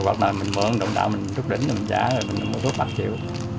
hoặc là mình mượn động đạo mình rút đỉnh rồi mình trả rồi mình mua thuốc bạc chịu